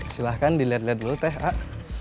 silahkan dilihat lihat dulu teh ak